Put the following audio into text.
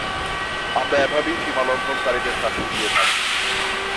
আমরা এভাবেই সীমালংঘনকারীদের শাস্তি দিয়ে থাকি।